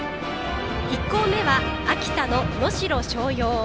１校目は秋田の能代松陽。